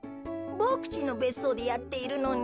ボクちんのべっそうでやっているのに。